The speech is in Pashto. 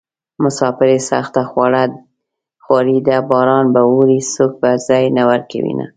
مساپري سخته خواري ده باران به اوري څوک به ځای نه ورکوينه